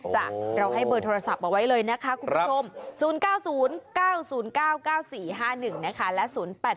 เราให้เบอร์โทรศัพท์เอาไว้เลยนะคะคุณผู้ชม๐๙๐๙๐๙๙๔๕๑นะคะและ๐๘๘